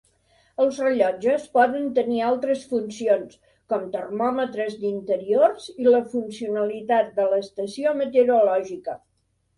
Els rellotges poden tenir altres funcions, com termòmetres d'interiors i la funcionalitat de l'estació meteorològica.